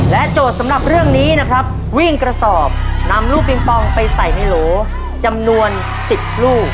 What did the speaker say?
โจทย์สำหรับเรื่องนี้นะครับวิ่งกระสอบนำลูกปิงปองไปใส่ในโหลจำนวน๑๐ลูก